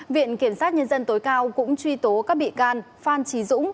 viện kiểm sát nhân dân tối cao cũng truy tố các bị can phan trí dũng